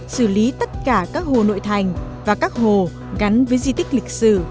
xử lý tất cả các hồ nội thành và các hồ gắn với di tích lịch sử